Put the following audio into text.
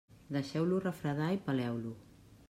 Deixeu-lo refredar i peleu-lo.